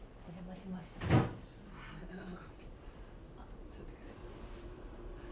どうぞ。